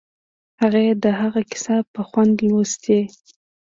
هغې د هغه کیسې په خوند لوستې